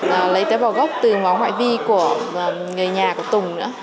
và lấy tế bào gốc từ máu ngoại vi của người nhà của tùng nữa